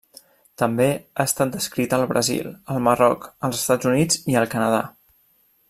També ha estat descrita al Brasil, al Marroc, als Estats Units i al Canadà.